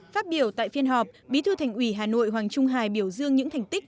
phát biểu tại phiên họp bí thư thành ủy hà nội hoàng trung hải biểu dương những thành tích